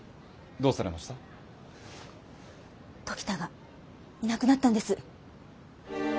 時田がいなくなったんです。